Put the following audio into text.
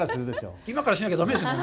今からしなきゃだめですね。